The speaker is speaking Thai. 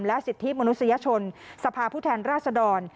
และสิทธิมนุษยชนสภาพุทธแห่งราชดร